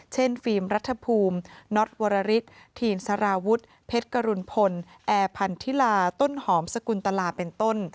ฟิล์มรัฐภูมิน็อตวรริสทีนสารวุฒิเพชรกรุณพลแอร์พันธิลาต้นหอมสกุลตลาเป็นต้น